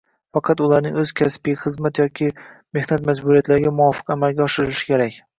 faqat ularning o‘z kasbiy, xizmat yoki mehnat majburiyatlariga muvofiq amalga oshirilishi kerak.